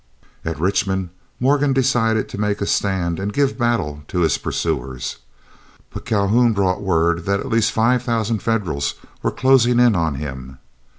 At Richmond, Morgan decided to make a stand and give battle to his pursuers; but Calhoun brought word that at least five thousand Federals were closing in on him.